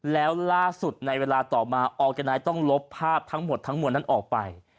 แล้วล่าสุดในเวลาต่อมาออร์แกไนท์ต้องลบภาพทั้งหมดทั้งมวลนั้นออกไป